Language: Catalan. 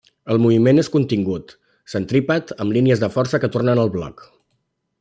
El moviment és contingut, centrípet amb línies de força que tornen al bloc.